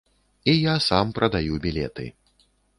І я сам прадаю білеты.